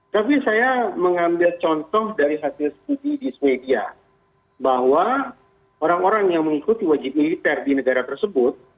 tapi saya mengambil contoh dari hasil studi di swedia bahwa orang orang yang mengikuti wajib militer di negara tersebut